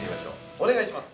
お願いします。